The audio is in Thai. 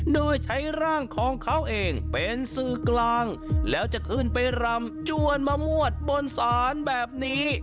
โดยใช้ร่างของเขาเองเป็นสื่อกลางแล้วจะขึ้นไปรำจวนมามวดบนศาลแบบนี้